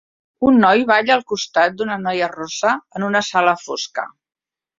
Un noi balla al costat d'una noia rossa en una sala fosca.